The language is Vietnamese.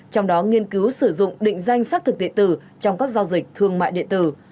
trong đó nghiên cứu sử dụng định danh xác thực địa tử trong các giao dịch thương mại điện tử